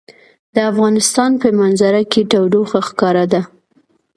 د افغانستان په منظره کې تودوخه ښکاره ده.